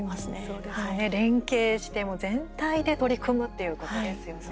そうですね、連携して全体で取り組むということですね。